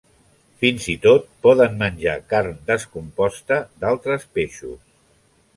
Fins i tot poden menjar carn descomposta d'altres peixos.